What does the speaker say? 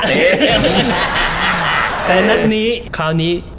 แต่แค่นั้นนี้คราวนี้ผมมั่นใจ